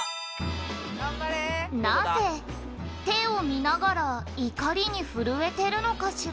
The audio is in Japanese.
「なぜ手を見ながら怒りに震えてるのかしら？」